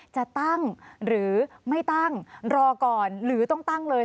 จะตั้งหรือไม่ตั้งรอก่อนหรือต้องตั้งเลย